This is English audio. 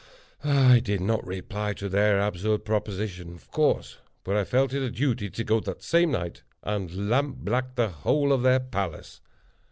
I did not reply to their absurd proposition, of course; but I felt it a duty to go that same night, and lamp black the whole of their palace.